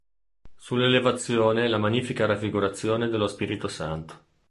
Sull'elevazione la magnifica raffigurazione dello "Spirito Santo".